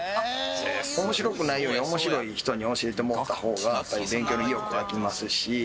面白くないより面白い人に教えてもらった方がやっぱり勉強の意欲湧きますし。